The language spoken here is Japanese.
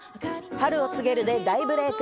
『春を告げる』で大ブレイク。